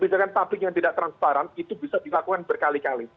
karena tabliknya tidak transparan itu bisa dilakukan berkali kali